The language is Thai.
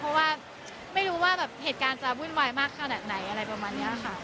เพราะว่าไม่รู้ว่าแบบเหตุการณ์จะวุ่นวายมากขนาดไหนอะไรประมาณนี้ค่ะ